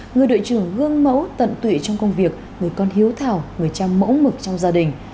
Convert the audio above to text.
người đội trưởng gương mẫu tận tụy trong công việc người con hiếu thảo người trăm mẫu mực trong gia đình